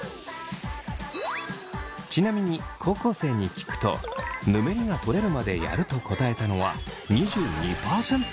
ちなみに高校生に聞くとぬめりがとれるまでやると答えたのは２２％。